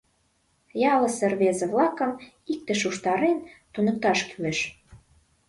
Ялысе рвезе-влакым, иктыш уштарен, туныкташ кӱлеш.